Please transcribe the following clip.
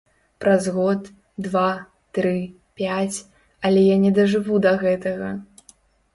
Праз год, два, тры, пяць, але я не дажыву да гэтага.